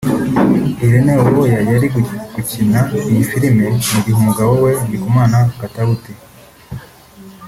Irene Uwoya ari gukina iyi filime mu gihe umugabo we Ndikumana Katauti